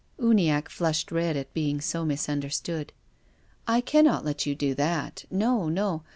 Uniacke flushed red at being so misunderstood. " I cannot let you do that. No, no